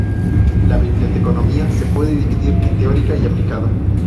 La biblioteconomía se puede dividir en "teórica" y "aplicada".